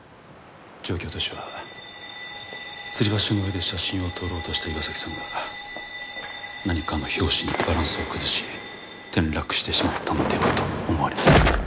状況としてはつり橋の上で写真を撮ろうとした岩崎さんが何かの拍子にバランスを崩し転落してしまったのではと思われます。